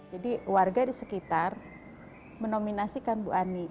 jadi warga di sekitar menominasikan bu ani